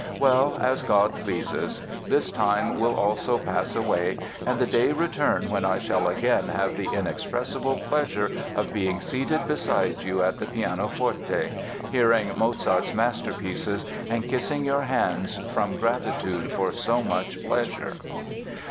Well, as God pleases! This time will also pass away and the day return when I shall again have the inexpressible pleasure of being seated beside you at the pianoforte, hearing Mozart's masterpieces, and kissing your hands from gratitude for so much pleasure."